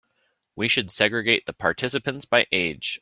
We should segregate the participants by age.